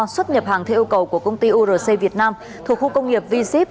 xuất nhập hàng theo yêu cầu của công ty urc việt nam thuộc khu công nghiệp v ship